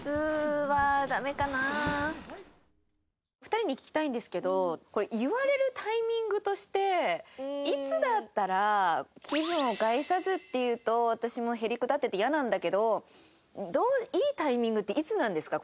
２人に聞きたいんですけどこれ言われるタイミングとしていつだったら気分を害さずって言うと私もへりくだってて嫌なんだけどいいタイミングっていつなんですか？